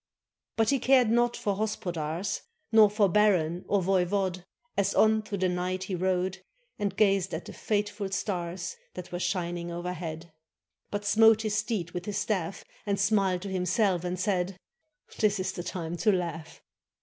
But he cared not for hospodars, Nor for baron or voivode, As on through the night he rode And gazed at the fateful stars That were shining overhead; But smote his steed with his staff, And smiled to himself, and said: "This is the time to laugh."